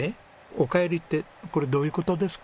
「おかえり」ってこれどういう事ですか？